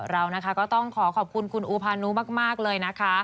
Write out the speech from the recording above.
เรานะคะก็ต้องขอขอบคุณคุณอูพานุมากเลยนะคะ